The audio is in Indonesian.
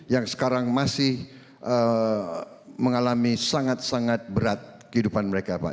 yang sekarang masih mengalami sangat sangat berat kehidupan mereka pak